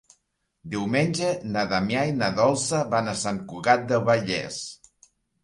Diumenge na Damià i na Dolça van a Sant Cugat del Vallès.